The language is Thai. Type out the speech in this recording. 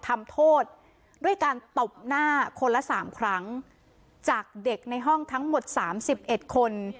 ทำโทษด้วยการตบหน้าคนละสามครั้งจากเด็กในห้องทั้งหมดสามสิบเอ็ดคน